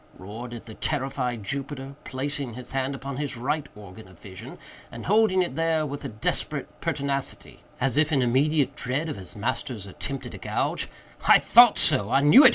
roared the terrified Jupiter, placing his hand upon his right organ of vision, and holding it there with a desperate pertinacity, as if in immediate dread of his master's attempt at a gouge. "I thought so!—I knew it!